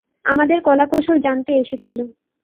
আমাদের কলাকৌশল জানতে এসেছিলো।